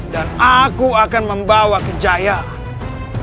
dan aku akan membawa kejayaan